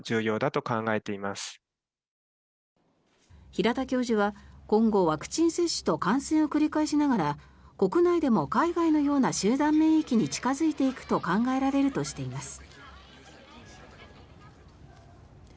平田教授は今後ワクチン接種と感染を繰り返しながら国内でも海外のような集団免疫に近付いていくと考えられるとしています。